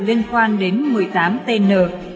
liên quan đến một mươi tám tn